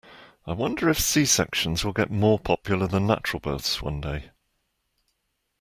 I wonder if C-sections will get more popular than natural births one day.